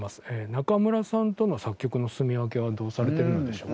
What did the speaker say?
「中村さんとの作曲のすみ分けはどうされてるのでしょうか？」。